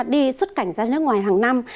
đi xuất cảnh ra nước ngoài hàng năm